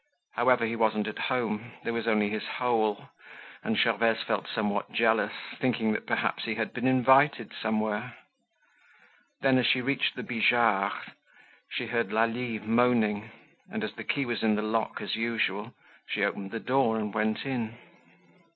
However, he wasn't at home, there was only his hole, and Gervaise felt somewhat jealous, thinking that perhaps he had been invited somewhere. Then, as she reached the Bijards' she heard Lalie moaning, and, as the key was in the lock as usual, she opened the door and went in.